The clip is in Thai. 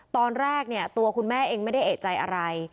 ตอนแรกเนี่ยตัวคุณแม่เองไม่ได้เอกใจอะไร